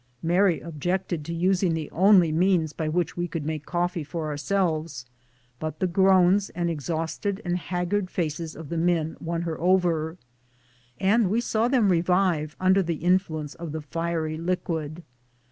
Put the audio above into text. Mary objected to using the only means by which we could make coffee for ourselves, but the groans and exhausted and haggard faces of the men won her over, and we saw them revive under the influence of the fiery liquid.